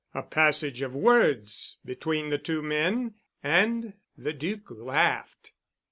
A passage of words between the two men and the Duc laughed.